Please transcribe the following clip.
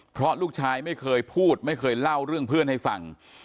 เพราะลูกชายไม่เคยพูดไม่เคยเล่าเรื่องเพื่อนให้ฟัง